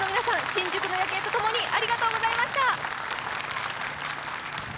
新宿の夜景とともにありがとうございました。